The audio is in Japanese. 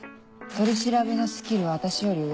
取り調べのスキルは私より上。